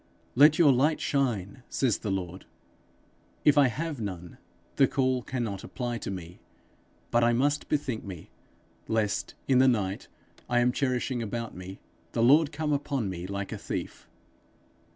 'Let your light shine,' says the Lord: if I have none, the call cannot apply to me; but I must bethink me, lest, in the night I am cherishing about me, the Lord come upon me like a thief.